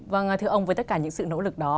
vâng thưa ông với tất cả những sự nỗ lực đó